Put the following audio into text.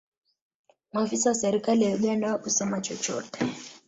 maafisa wa serikali ya uganda hawakusema chochote